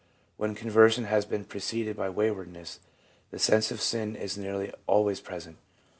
When conversion has been preceded by waywardness, the sense of sin is nearly always present.